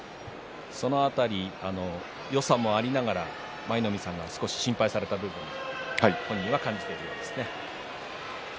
その辺りよさもありながら、舞の海さんが少し心配された部分本人は感じているんですね。